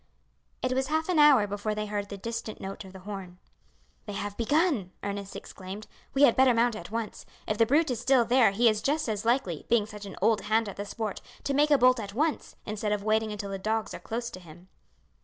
It was half an hour before they heard the distant note of the horn. "They have begun," Ernest exclaimed; "we had better mount at once. If the brute is still there he is just as likely, being such an old hand at the sport, to make a bolt at once, instead of waiting until the dogs are close to him."